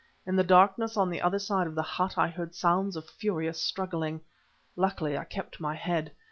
In the darkness on the other side of the hut I heard sounds of furious struggling. Luckily I kept my head.